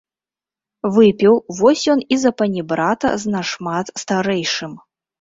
Выпіў, вось ён і запанібрата з нашмат старэйшым.